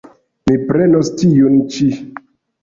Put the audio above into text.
Mi prenos tiun ĉi.